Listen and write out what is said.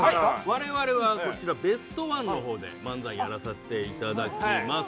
我々はこちら「ベストワン」の方で漫才やらさせていただきます